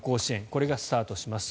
これがスタートします。